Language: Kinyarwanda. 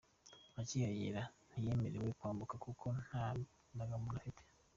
Akihagera ntiyemerewe kwambuka kuko nta Ndangamuntu afite.